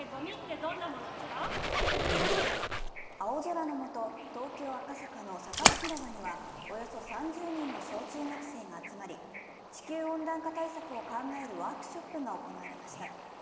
青空の下、東京・赤坂のサカス広場には、およそ３０人の小中学生が集まり、地球温暖化対策を考えるワークショップが行われました。